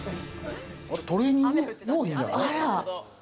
トレーニング用品じゃない？